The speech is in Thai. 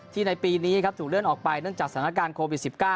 ในปีนี้ถูกเลื่อนออกไปเนื่องจากสถานการณ์โควิด๑๙